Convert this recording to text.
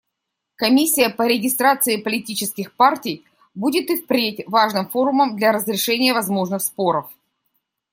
Комиссия по регистрации политических партий будет и впредь важным форумом для разрешения возможных споров.